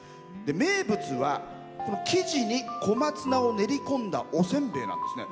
名物は生地に小松菜を練り込んだおせんべいなんですね。